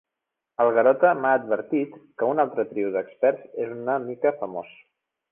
El Garota m'ha advertit que un altre del trio d'experts és una mica famós.